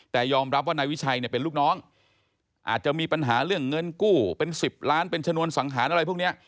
แต่ยอมรับว่านายวิชัยเนี่ยเป็นลูกน้องอาจจะมีปัญหาเรื่องเงินกู้เป็น๑๐ล้านเป็นชนวนสังหารอะไรพวกนี้